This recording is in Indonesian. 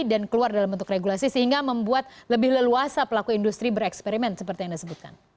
dan keluar dalam bentuk regulasi sehingga membuat lebih leluasa pelaku industri bereksperimen seperti yang anda sebutkan